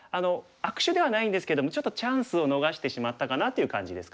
悪手ではないんですけどもちょっとチャンスを逃してしまったかなっていう感じですかね。